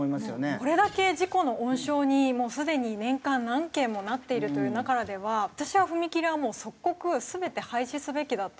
これだけ事故の温床にすでに年間何件もなっているという中では私は踏切はもう即刻全て廃止すべきだと。